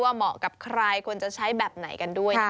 เหมาะกับใครควรจะใช้แบบไหนกันด้วย